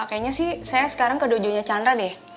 kayaknya sih saya sekarang ke dojo nya chandra deh